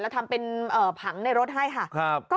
ทำเป็นผังในรถให้ค่ะ